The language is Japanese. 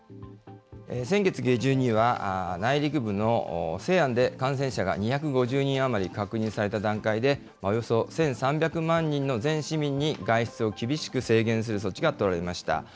先月下旬には、内陸部の西安で感染者が２５０人余り確認された段階で、およそ１３００万人の全市民に外出を厳しく制限する措置が取られました。